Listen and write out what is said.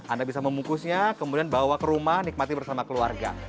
anda bisa memukusnya kemudian bawa ke rumah nikmati bersama keluarga